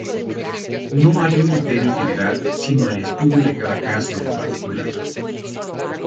No hay un criterio general, sino el estudio de cada caso en particular.